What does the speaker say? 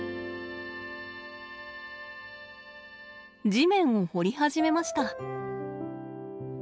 地面を掘り始めました。